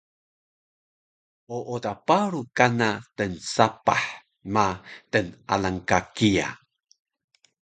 ooda paru kana tnsapah ma tnalang ka kiya